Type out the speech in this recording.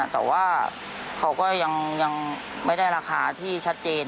แต่ว่าเขาก็ยังไม่ได้ราคาที่ชัดเจน